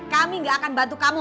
kami gak akan bantu kamu